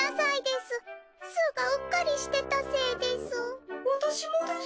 すうがうっかりしてたせいです。